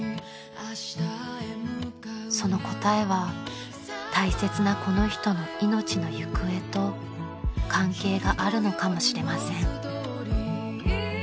［その答えは大切なこの人の命の行方と関係があるのかもしれません］